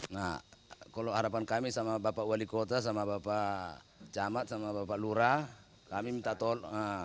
nah kalau harapan kami sama bapak wali kota sama bapak camat sama bapak lurah kami minta tolong